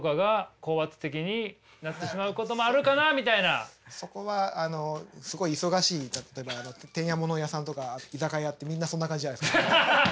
あと何かそこはすごい忙しい例えば店屋物屋さんとか居酒屋ってみんなそんな感じじゃないですか。